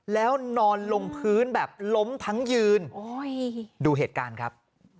แล้วนอนลงพื้นแบบล้มทั้งยืนโอ้ยดูเหตุการณ์ครับ